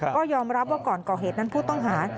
ก็ยอมรับว่าก่อนก่อเหตุนั้นผู้ต้องหา